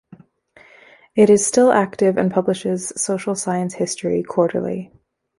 It is still active and publishes "Social Science History" quarterly.